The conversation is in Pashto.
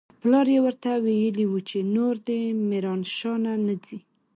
پلار يې ورته ويلي و چې نور دې ميرانشاه نه ځي.